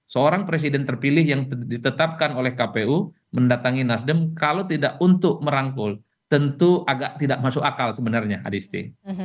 seorang presiden terpilih yang ditetapkan oleh kpu mendatangi nasdem kalau tidak untuk merangkul tentu agak tidak masuk akal sebenarnya adisti